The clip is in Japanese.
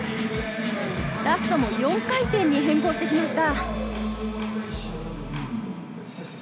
ラストも４回転に変更してきました。